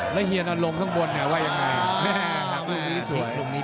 แล้วเฮียนอนลงข้างบนว่ายังไง